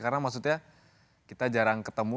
karena maksudnya kita jarang ketemu